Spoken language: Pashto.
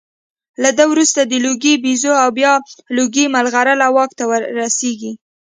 له ده وروسته د لوګي بیزو او بیا لوګي مرغلره واک ته رسېږي